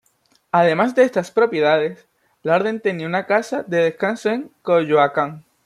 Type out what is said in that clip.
Además de estas propiedades, la orden tenía una casa de descanso en Coyoacán.